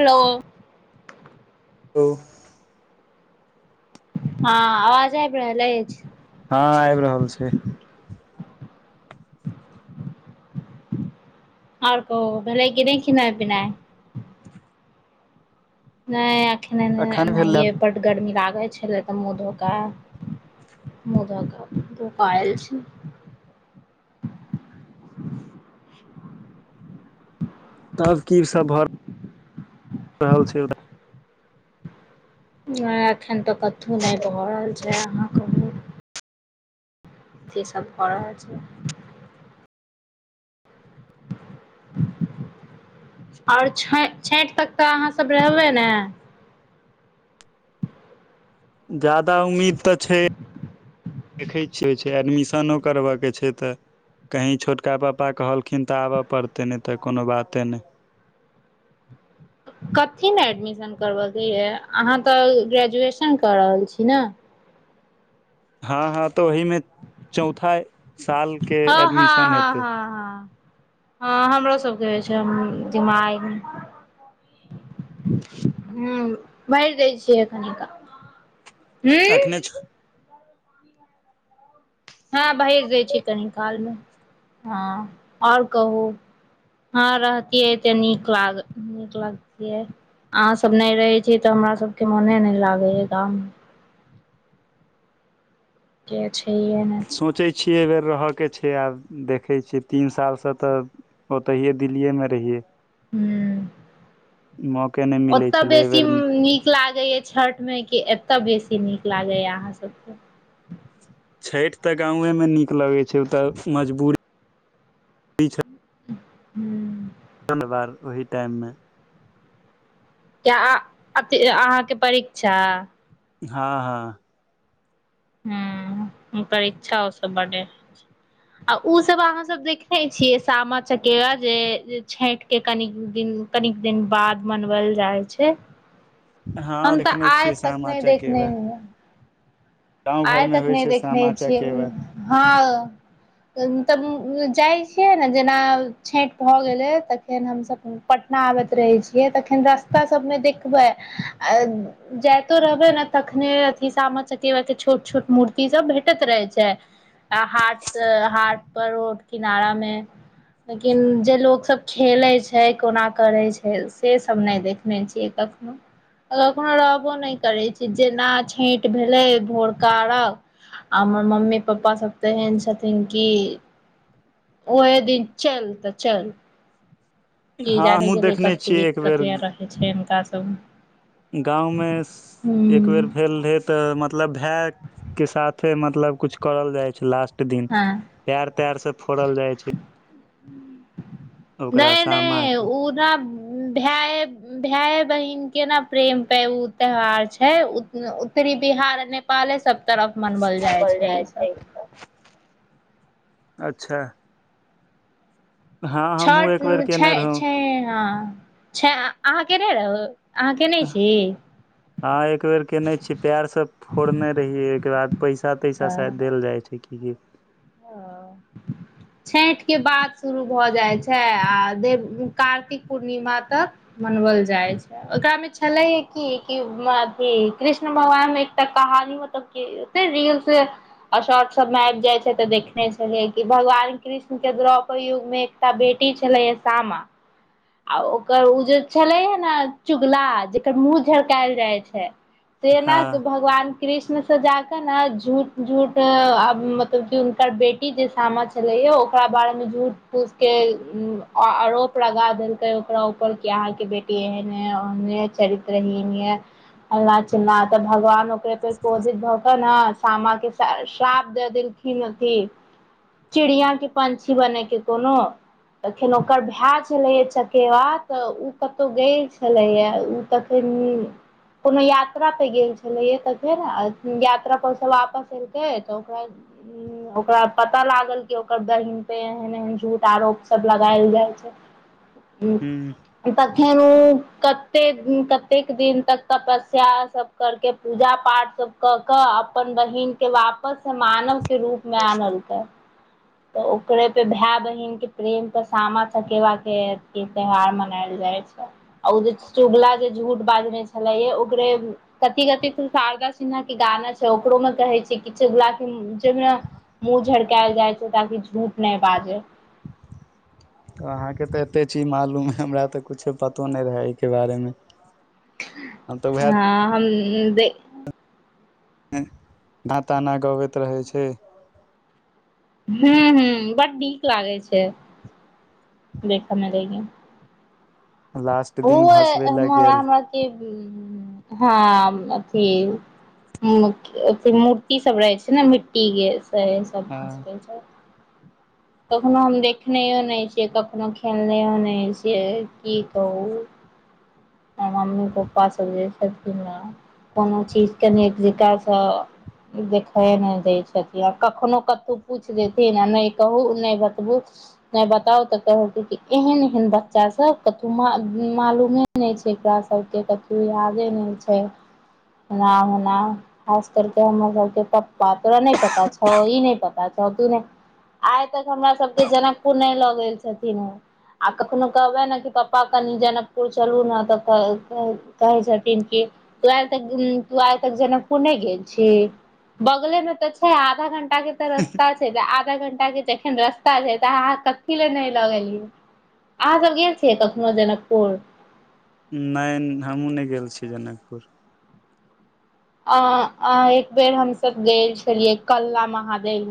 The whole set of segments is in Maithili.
हेलो त हँ आवाज आयब रहल अछि हँ आबि रहल छै आओर कहू भेलै कि नय खेनाय पिनाय नय अखन एखन ए भेल ए बड गरमी लागल छलै तऽ मुँह धोकऽ मुदा धो कऽ आयल छी तब की सब भऽ रहल छै नय एखन त कथु नय भऽ रहल छै अहां कहु करि सब भऽ रहल छै [inaudible] आओर [unintelligible] छठि तक तऽ अहाँ सब रहबै ने जदा उम्मीद तऽ छै देखै छियै छै एडमिशनो करबयके छै तऽ कहीँ छोटका पप्पा कहलखिन तऽ आबऽ पड़तै नय तऽ कोनो बाते नय कथी मे एडमिशन करब के यऽ अहाँ तऽ ग्रेजुएशन कऽ रहल छी ने हँ हँ तऽ ओहि मे चौथा साल के हँ हँ एडमिशन हँ हेतै हँ हँ हँ हमरो सबके हो छै दिमाग हूं बाइज दै छियै कनिका अखने छ [inaudible] हँ भेज दय छी कनि काल मे हँ आओर कहू हँ रहतियए तऽ नीक लाग नीक लागतियै अहाँ सब नय रहै छी तऽ हमरा सबके मोने नय लागे य गांव मे कियो छै हे नय सोचै छियै एहि बेेर रहऽ के छै आब देखै छियै तीन सालसँ तऽ ओतहिये दिल्लीेये मे रहिये हूँ मौके नय ओत बेसी नी नीक लागैय छठ मे कि एत बेसी नीक लागैय अहाँ सबके छैठ तऽ गांवे में नीक लगे छै उतऽ मजबूरी छै [inaudible] [unintelligible] बार ओहि टाइम मे किया अहा अथि अहाँके परीक्षा हँ हँ ह ओकर इच्छा हो सब बढ़े [inaudible] आ ओ सब अहाँ सब देखने छियै सामा चकेवा जे छैठ के कन दिन कनिक दिन बाद मनवल जाइ छै हँ हम तऽ देखने आइ छियै तक सामा नहि चकेवा देखने हेबै गाँंव घर यइ मे तक होइ नै छै देखने सामा छियैउ चकेवा हँ तब जाइ छियै ने जेना छैट‌ भऽ गेलै त फेन हमसभ पटना आबैत रहै छियै तखन रास्ता सबमे देखबै जयत रहबै ने तखने अथी सामा चकेबा क छोट छोट मूर्ति सब भेटत रहै छै आ हाट हाट पर रोड किनारा मे लेकिन जे लोग सब खेले छै कोना करे छै से सब नै देखने छीयै कखनो कखनो रहबो नै करे छी जेना छैट भेलै भोर कारक आ हमर मम्मी पप्पा सब तऽ तेहेन छथिन कि ओए दिन चलतऽ चल की हँ जाने हमहुँ गेल देखने कथी छियै एक बेर दिक्कत रहै छै हुनका सब गाँवमे हूँ एकबेर भेल रहै त मतलब भै के साथे मतलब कुछ करल जाय छै लास्ट दिन। पैर-तैर से फोड़ल जाइ छै। ओकरा नै-नै सामा के उ ना भाए भेए बहिन के ने प्रेम पे उ त्यौहार छै उत्तरी बिहार नेपाले सब तरफ मनाओल जाय बोल छै जाइ ई सब अच्छा हँ हमहुँ छठ एक बेर छै केने रहौ छै हँ छै आ अहाँ के नै रहो, अहाँ केने छी? हां एकबेर कैने छीयै, पैर सब फोड़ने रहियै ओय के बाद पैसा-तैसा शायद देल जाय छै कि हां। [inaudible] छैठ के बाद शुरू भ जाइ छै आ दे कार्तिक पूर्णिमा तक मनबल जाय छै। ओकरा में छले यै की की म अथी कृष्ण भगवान में एकटा कहानी मतलब की नै रील्स और शॉर्ट सब में आएब जाइ छै। से तै देखने छलियै कि भगवान कृष्ण के द्रौपर युग में एकटा बेटी छले यै सामा आ ओकर उ जे छले यै नै चुगला जेकर मुंह झरकायल जाय छै। हँ सेना के भग वान कृष्ण से जाका न झूठ झूठ अ अ मतलब की हुनकर बेटी टी जे सामा छले य ओकरा बारे में झूठ-फूस के उम्म अ आरोप लगा देलकै ओकरा ऊपर की अहाँ के बेटी एहेन यै, ओहेन यै, चरित्रहिन यै। फलना चिलना त भगवानो के पे क्रोधित भ के नै सामा के स श्राप दै देलखिन्ह अथि चिड़िया की पंछी बनय के कोनो तखन ओकर भाय छलै यै जे चकेवा त उ कतो गेल छलैया उ तखन कुनु यात्रा पे गेल छलै यै तै फेर अ उम्म यात्रा पर से वापस एलकै तै ओकरा उ ओकरा पता लागल की ओकर बहिन पे एहेन एहेन झूठ आरोप सब लगाएल जाय छै हूँ हुं तखन उ कत्ते उम्म कत्तेक दिन तक तपस्या सब करके पूजा पाठ सब क के अपन बहिन के वापस से मानव के रूप लऽ अनलकै तै ओकरे पे भाय बहिन के प्रेम पे सामा चकेवा के के त्यौहार मनायल जाइ छै उ जे चुगला जे झूठ बाजने छले ओकरे कथि कथि तै शारदा सिन्हा के गाना छै ओकरो मे कहै छै कि चगुला के उ चुगला मुँह झरकायल जाइ छै ताकि झूठ नै बाजे अहाँ के त एते चीज मालूम हे हमरा त कुछो पतो नय रहै ऐ के बारे मे हम तऽ उएह हां हम उम्म देे ना ताना गबति रहै छै हुं हुं बड नीक लागै छै देखऽ मे लेकिन लास्ट दिन ओहो भसबे लए गेल हमरा के हां अथी अथी मूर्ति सब रहै छै नै मिट्टी के सेह से तब हँ हंसबै छै कखनो हम देखनैयौ नै छियै कखनो खेलनियौ नै छियै की त उ ए मम्मी पप्पा सब जे छथिन ने कुनु चीज के निक जेका सऽ देखय नै दै छथि आ कखनो कतो पूछ देथिन आ नै कहू नय बतबू नय बताउ तै कहत की एहेन एहेन बच्चा सब तु मा उम्म मालूमे नै छै एकरा सबके कथु यादे नै छै एना ओना खास करके हमरा सबके पाता तोरा नय पता छौ ई नय पता छौ तू नय आइ तक हमरा सबके जनकपुर नय लऽ गेल छथिन हे आ कखनो कहबै न कि प पा कनी जनकपुर चलू ने तऽ कहै कहै कहै छथीन की तो आय तक उ तू आइ तक जनकपुर नै गेल छी बगले मे तऽ छै आधा घं टा के तऽ रस्ता छै तऽ आधा घंटा के जखन रस्ता छै तै अहाँ कथी ले नै लऽ गेलियै। अहां सब गेल छीयै कखनो जनकपुर नय हम्हु नै गेल छीयै जनकपुर अ अ एक बेर हमसब गेल छलियै कलला महादेव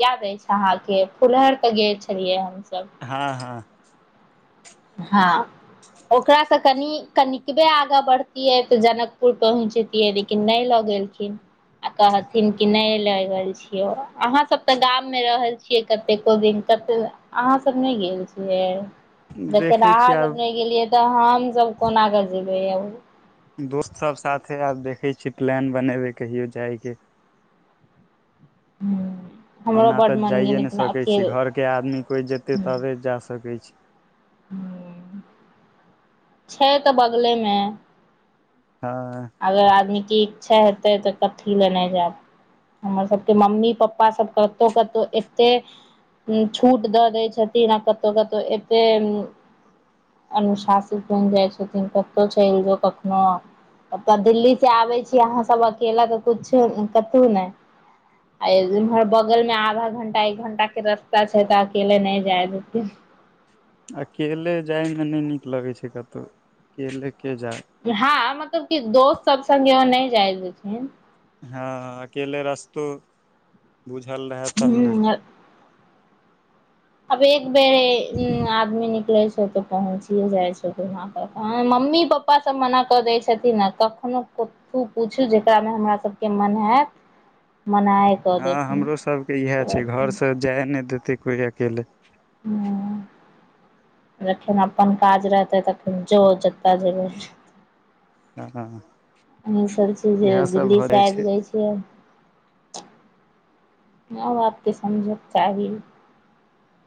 याद अछि अहाँ के फुलहरि तऽ गेल छलियै हमसब हँ हँ हँ ओकरासँ कनि कनिकबे आगा बढ़तियै तऽ जनकपुर पहुँचतियै लेकिन नय लऽ गेलखिन आ कहथिन कि नय लय गेल छियो अहां सब ते गाम मे रहल छी छियै कतेको दिन कतेक अहाँ सब नय गेल छियै देखे देखै अहाँ छियै सब आब नय गेलियै तऽ हम सब कोना के जेबैय दोस्त सब साथे आब देखै छीयै प्लान बनेबे कहियो जाय के हमरो ओना तऽ बड्ड मन गेल जाइए नय लेकिन सकै छी अकेले घरके आदमी कोइ जेतै तबे जा सकै छी [inaudible] छै तऽ बगलेमे हँ अगर आदमीके इच्छा हेतै तऽ कथी लए नै जायब हमर सबके मम्मी पप्पा सब कतौ कतौ एते छूट दऽ दै छथिन आ कतहु कतहु एतेक अनुशासित बैन जाय छथिन कतौ चैल जो कखनो तऽ दिल्ली से आबै छी अहाँ सब अकेला त कछु कतौ नै आ इम्हर बगल में आधा घंटा एक घंटा के रस्ता छै तऽ अकेले नै जाय देते अकेले जायमे नै नीक लगैत् छै कतौ अकेले के जाय हँ मतलब कि दोस्त सब संगे नै जाय देथिन हँ अकेले रस्तो बुझल रहे तब ने अब एक बेरेआदमी निकले छै तो पहुँच मम्मी पप्पा सब मना कऽ दै छथिन ने कखनो खू पूछू जेकरा मे हमरा सबके मन हैत मनायत हँ हमरो सबके इएह छै घरसँ जाय ने देतै कोइ अकेले हॅं जखन अपन काज रहतै तखन जो जतऽ जेबै अहा [unintelligible] सब छी जे दिल्लीसँ आइब जाइ छीयै मे बापके समझके चाही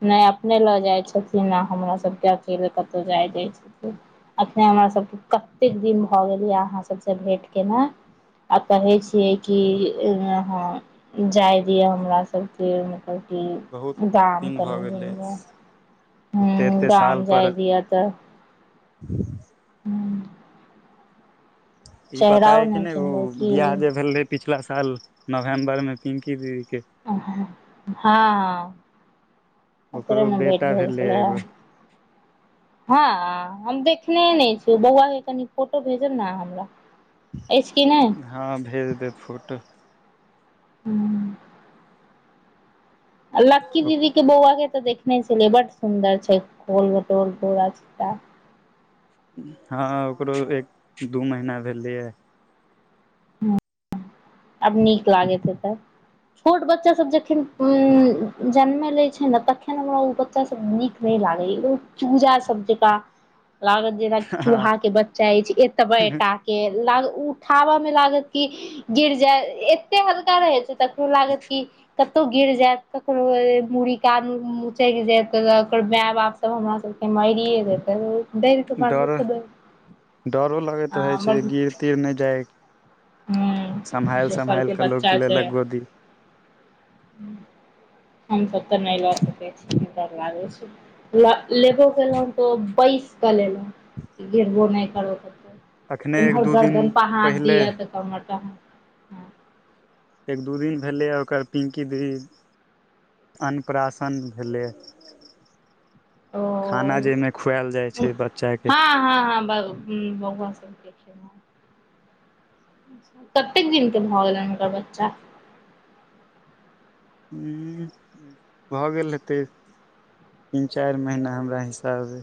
नै अपने लऽ जाइ छथिन ने हमरा सभके अकेले कतौ जाय दय छथिन एखने हमरासके कतेक दिन भऽ गेल यए अहाँसभसँ भेँट केना आ कहै छियै कि ह जाय दिय हमरा सबके मतलब की बहुत गाम दिन भऽ गेलै हु एते एते गाम साल पर जाय दिय तऽ हुॅं ई पता है कि नै उ चिन्हबै की बियाह जे भेल रहै पिछला साल नवम्बरमे पिंकी दीदीके हँ [unintelligible] ओकरो मे भेट बेटा भेल भेलै छले एगो हँ हम देखने नै छी बौआ के कनि फोटो भेजब नऽ आहाॅं हमरा अछि की नै हँ भेज देब फोटो हूँ आ लकी दीदी के बौआ के ते देखने छलियै बड सुंदर छै खोल बटोल गोरा छोटा हँ ओकरो एक दू महीना भेलियै आब नीक लागेतऽ हेते छोर्ट बच्चासभ जखन जन्मलै छै ने तखन हमरा ओ बच्चाभ नीक नै लागै य ओ चूजा सब जका [inaudible] लागत जेनाकि हँ चूहा के बच्चा अछि एतबेटा के ला उठाबऽ मे लागत कि गिर जाय एते हल्का रहै छैय त उ लागत की कतौ गिर जायत ककरो मूड़ी कान मुचैक जायत ओकर माय बाप तब हमरा सबके मारिये देतै हौ बेल डर डरो लगैत रहै छै [unintelligible] गिर तिर नहि जाय हुँ सम्हालि सम्हालि कऽ लोक लेलक गोदी हम सब तऽ नय लऽ सकै छी डर लागे छै लब लेबो केलौं तो बैसि कऽ लेलौं गिरबो नय करल कतौ अखने एक इम्हर दू दिन गर्दन पर हाथ पहिले दिअ तऽ कमर पर हाथ एक दू दिन भेलैये ओकर पिंकी दीदी अन्नप्राशन भेलै ओ खाना जैमे खुएल जाइ छै बच्चा के हँ हँ हँ ब बौआ सब के खियेलौं कतेक दिनके भऽ गेलनि हुनकर बच्चा भऽ गेल हेतै तीन चारि महीना हमरा हिसाबे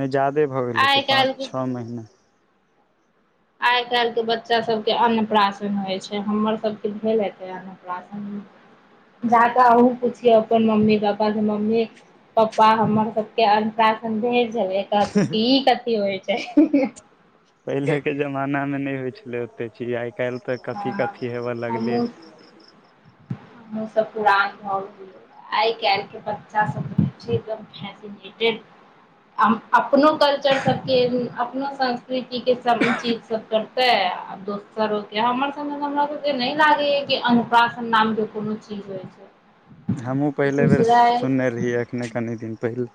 नय जादे भऽ गेल आइ हेतै पाँच काल्हिके छौ महीना आइ काल्हि के बच्चा सब के अन्नप्राशन होय छै हमर सब के भेल हेतै आ [unintelligible] जाकऽ अहुँ पुछियौ अपन मम्मी पप्पा की मम्मी पप्पा हमर सब के अन्नप्राशन भेल छलै कहथू की ई कथी होइ छै पहिलेके जमाना मे नय होइ छलै ओते चीज आइ काल्हि तऽ कथी हँ कथी हेबय लगलै ये हम सब पुरान भऽ गेलियै आइ काल्हि के बच्चा सब छै एकदम फैसिनेटेड आ अपनो कल्चर सबके अपनो संस्कृतिके सब चीज सब करतै दोसरके हमर सब हमरा सब नय लागेये की अन्नप्राशन नाम के कोनो चीज होइ छै हमहुँ पहिले बेर सुनने दूसरा रहियै एखने कनी दिन पहिले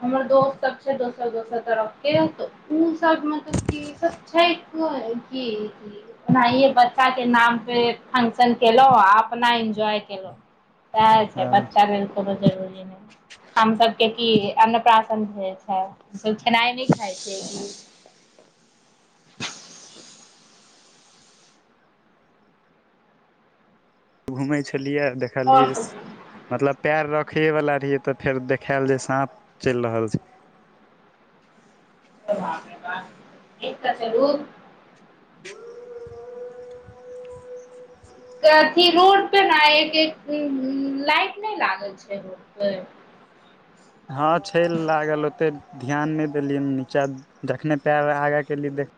हमर दोस्त सब छै दोसर दोसर तरफ के उ सब मतलब की ई सब छै की [unintelligible] ओनाहिये बच्चा के नाम पे फंक्शन केलौं आ अपना एन्जॉय केलौं सैह छै हँ बच्चा लेल कोनो जरूरी नय हम सभके की अन्नप्राशन होइ छै सब खेनाइ नय खाइ छै की घूमै छलियै आ आओर देखलियै सब मतलब पैर रखैए वाला रहियै तऽ फेर देखायल जे साँप चलि रहल छै। एक कते रू [unintelligible] [inaudible] तऽ अथी रोड पे [unintelligible] ने एक लाइट नय लागल छै रोड पे हँ छै लागल ओते ध्यान नय देलियै नीचा जखने पैर आगाँ केलियै देख